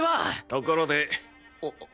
ところで。